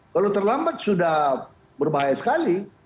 kalau terlambat sudah berbahaya sekali